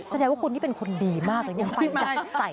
แสดงว่าคุณนี่เป็นคนดีมากยังไฟดับใส่